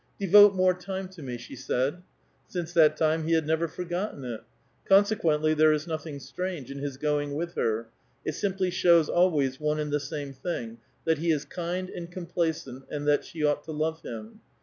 " Devote more time to ," she said. Since that time he had never forgotten it ; CLsonsequently, there is nothing strange in his going with her : i. X simply shows always one and the same thing, — that he is bind and complaisant, that she ought to love him.